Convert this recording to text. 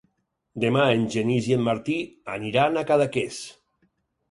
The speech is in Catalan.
Demà en Genís i en Martí aniran a Cadaqués.